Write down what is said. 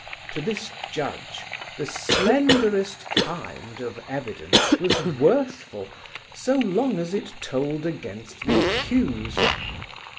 To this judge "the slenderest kind" of evidence was worthful so long as it told against the accused.